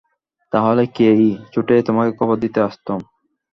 তা হলে কি ছুটে তোমাকে খবর দিতে আসতুম?